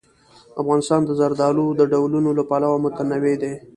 افغانستان د زردالو د ډولونو له پلوه متنوع دی.